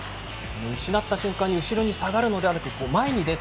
失った瞬間に後ろに下がるのではなく前に出た。